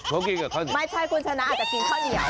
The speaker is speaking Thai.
เรื่องของคุณ